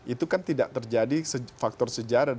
itu kan tidak terjadi faktor sejarah